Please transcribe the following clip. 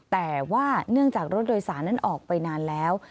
แต่ว่าเนื่องจากรถโดยสารนั้นออกไปนานแล้ว